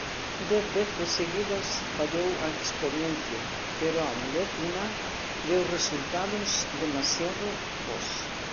Dez veces seguidas fallou a experiencia, pero á undécima deu resultados demasiado bos.